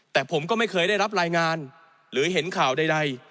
แต่ผมก็ไม่เคยได้รับรายงานหรือเห็นข่าวใด